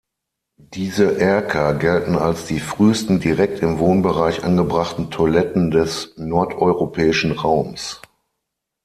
Diese Erker gelten als die frühesten direkt im Wohnbereich angebrachten Toiletten des nordeuropäischen Raums.